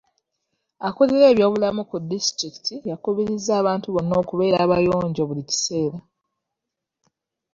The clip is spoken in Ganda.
Akulira ebyobulamu ku disitulikiti yakubirizza abantu okubeera abayonjo buli kiseera.